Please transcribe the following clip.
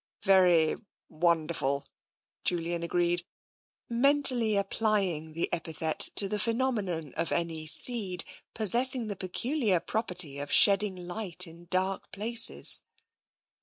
"" Very wonderful," Julian agreed, mentally applying the epithet to the phenomenon of any seed possessing the peculiar property of shedding light in dark places.